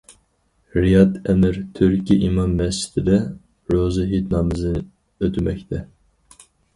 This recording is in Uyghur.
رىياد ئەمىر تۈركى ئىمام مەسچىتىدە روزا ھېيت نامىزى ئۆتىمەكتە.